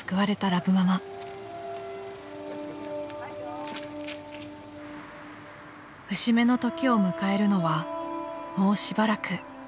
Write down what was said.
［節目の時を迎えるのはもうしばらく後のことでした］